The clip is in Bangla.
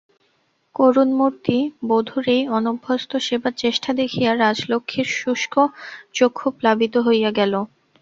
করুণমূর্তি বধূর এই অনভ্যস্ত সেবার চেষ্টা দেখিয়া রাজলক্ষ্মীর শুষ্ক চক্ষু প্লাবিত হইয়া গেল।